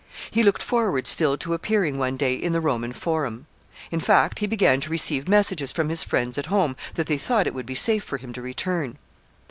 He looked forward still to appearing one day in the Roman Forum. In fact, he began to receive messages from his friends at home that they thought it would be safe for him to return.